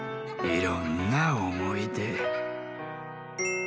いろんなおもいで。